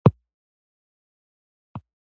د ښاروالۍ لخوا نیالګي ویشل کیږي.